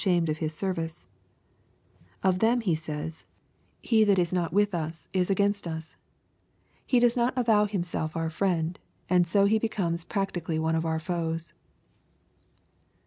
amed of His service. Of them He saya^ " He LUKE^ CHAP. XI. 2 that is not w^ith us s against us." He does not avov7 himself ooi fiiend, and so he becomes practically one of our foes.